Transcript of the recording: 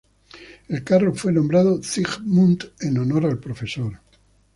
El carro fue nombrado Zygmunt en honor al profesor.